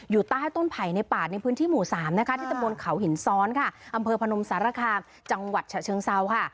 อยู่ใต้ต้นไผ่ในป่าในพื้นที่หมู่สามนะคะที่ตะบนเขาหินซ้อนค่ะอำเภอพนมสารคามจังหวัดฉะเชิงเซาค่ะ